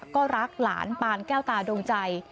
ก็รักหลานปานแก้วตาดวงใจ